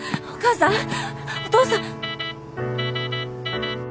お母さん？